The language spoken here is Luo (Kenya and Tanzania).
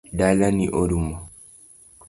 Dala ni orumo .